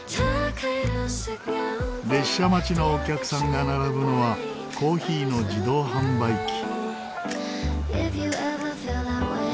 列車待ちのお客さんが並ぶのはコーヒーの自動販売機。